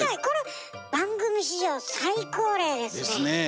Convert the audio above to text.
これ番組史上最高齢ですね。